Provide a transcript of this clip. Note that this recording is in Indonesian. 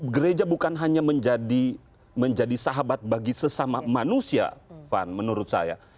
gereja bukan hanya menjadi sahabat bagi sesama manusia van menurut saya